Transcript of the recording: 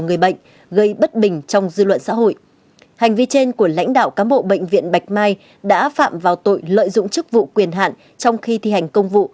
người bệnh gây bất bình trong dư luận xã hội hành vi trên của lãnh đạo cán bộ bệnh viện bạch mai đã phạm vào tội lợi dụng chức vụ quyền hạn trong khi thi hành công vụ